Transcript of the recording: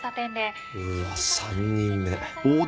うわ３人目。